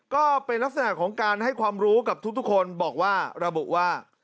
ก็เป็นลักษณะของการให้ความรู้กับทุกคนบอกว่าระบุว่า